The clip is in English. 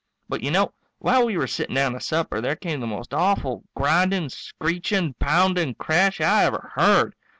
But you know, while we were sitting down to supper there came the most awful grinding, screeching, pounding crash I ever heard.